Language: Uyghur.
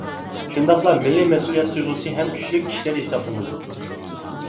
شۇنداقلا مىللىي مەسئۇلىيەت تۇيغۇسى ھەم ئەڭ كۈچلۈك كىشىلەر ھېسابلىنىدۇ.